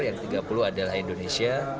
yang tiga puluh adalah indonesia